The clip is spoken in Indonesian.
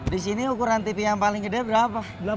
disini ukuran tv yang paling gede berapa